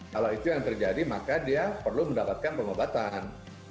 kalau itu yang terjadi maka dia perlu mendapatkan pengobatan